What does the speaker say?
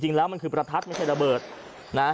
จริงแล้วมันคือประทัดไม่ใช่ระเบิดนะ